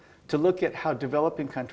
untuk melihat bagaimana negara pembangunan